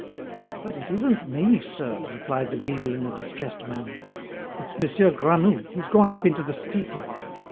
"But it isn't me, sir," replied the beadle in a distressed manner. "It's Monsieur Granoux, he's gone up into the steeple.